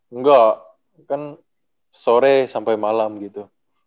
enggak kan sore sampai malam gitu